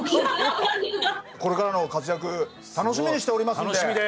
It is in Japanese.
これからの活躍楽しみにしておりますので。